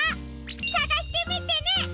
さがしてみてね！